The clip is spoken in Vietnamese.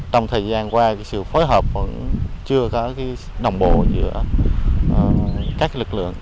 trong thời gian qua sự phối hợp vẫn chưa có đồng bộ giữa các lực lượng